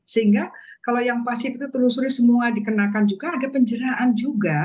sehingga kalau yang pasien itu telusuri semua dikenakan juga ada penjeraan juga